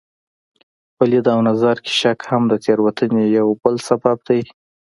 په لید او نظر کې شک هم د تېروتنې یو بل سبب دی.